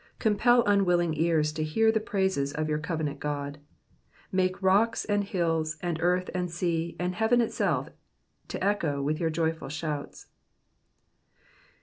Compel unwilling ears to hear the praises of your covenant God. Make rock^ and hills, and earth, and sea, and heaven itself to echo with your joyful shouts.